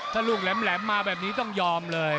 ถ้าลูกแหลมมาแบบนี้ต้องยอมเลย